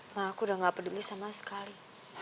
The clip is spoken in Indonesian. ma aku udah nggak peduli sama sekali